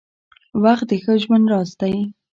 • وخت د ښه ژوند راز دی.